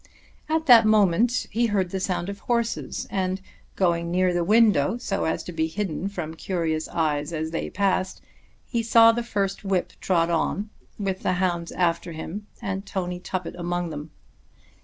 At that moment he heard the sound of horses, and going near the window, so as to be hidden from curious eyes as they passed, he saw the first whip trot on, with the hounds after him, and Tony Tuppett among them.